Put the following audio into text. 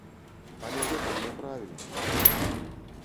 Але гэта ж няправільна!